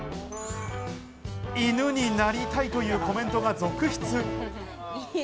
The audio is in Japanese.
「犬になりたい」というコメントが続出。